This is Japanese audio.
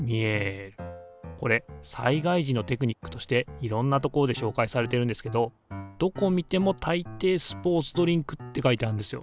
これ災害時のテクニックとしていろんな所で紹介されてるんですけどどこ見てもたいていスポーツドリンクって書いてあるんですよ。